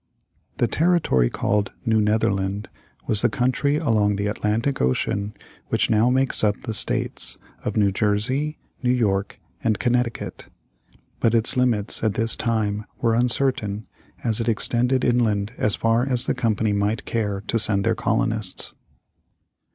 The territory called New Netherland was the country along the Atlantic Ocean which now makes up the States of New Jersey, New York, and Connecticut. But its limits at this time were uncertain as it extended inland as far as the Company might care to send their colonists.